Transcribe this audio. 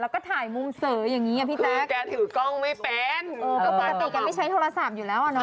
กอ่าติดกันไม่ใช่โทรศัพท์อยู่แล้วนะ